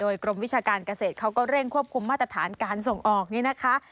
กรมวิชาการเกษตรเขาก็เร่งควบคุมมาตรฐานการส่งออกนี่นะคะ